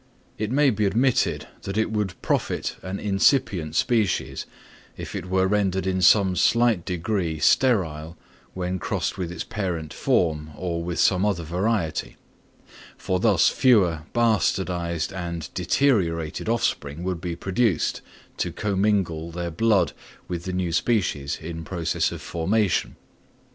It may be admitted that it would profit an incipient species, if it were rendered in some slight degree sterile when crossed with its parent form or with some other variety; for thus fewer bastardised and deteriorated offspring would be produced to commingle their blood with the new species in process of formation.